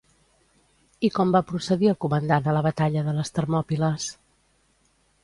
I com va procedir el comandant a la batalla de les Termòpiles?